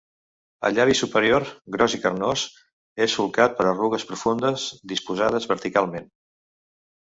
El llavi superior, gros i carnós, és solcat per arrugues profundes disposades verticalment.